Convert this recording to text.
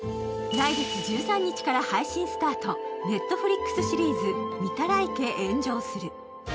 来月１３日から配信スタート、Ｎｅｔｆｌｉｘシリーズ、「御手洗家、炎上する」。